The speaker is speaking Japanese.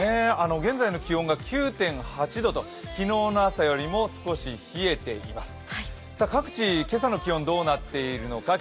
現在の気温が９．８度と昨日の朝よりも少し冷えています。